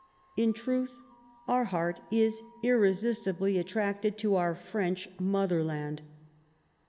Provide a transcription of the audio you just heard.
In truth, our heart is irresistibly attracted to our French Motherland.